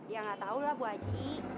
ya gak tau lah bu haji